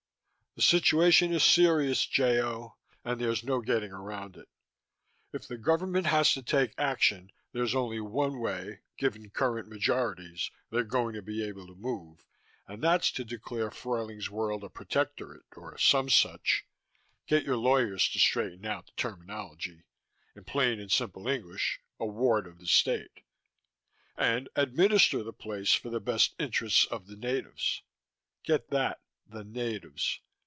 The situation is serious, J. O., and there's no getting around it. If the Government has to take action there's only one way (given current majorities) they're going to be able to move, and that's to declare Fruyling's World a protectorate, or some such (get your lawyers to straighten out the terminology: in plain and simple English, a ward of the state), and "administer" the place for the best interests of the natives. Get that: the natives.